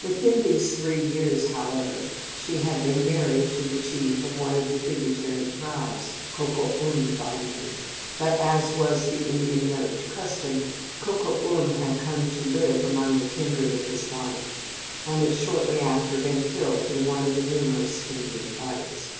Within these three years, however, she had been married to the chief of one of the tributary tribes, Ko ko um by name, but, as was the Indian marriage custom, Ko ko um had come to live among the kindred of his wife, and had shortly after been killed in one of the numerous Indian fights.